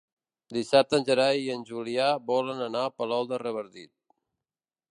Dissabte en Gerai i en Julià volen anar a Palol de Revardit.